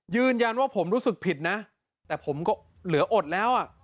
ยืนยันว่าผมรู้สึกผิดนะแต่ผมก็เหลืออดแล้วอ่ะ